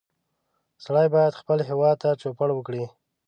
سړی باید خپل هېواد ته چوپړ وکړي